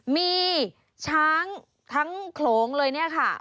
มีช้างทั้งโขลงเลยเนี่ยค่ะ